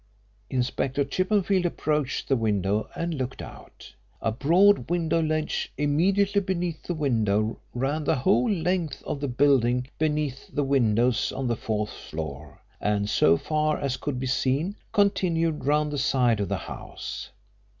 Inspector Chippenfield approached the window and looked out. A broad window ledge immediately beneath the window ran the whole length of the building beneath the windows on the fourth floor, and, so far as could be seen, continued round the side of the house.